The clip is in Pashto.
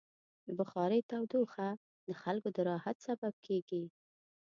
د بخارۍ تودوخه د خلکو د راحت سبب کېږي.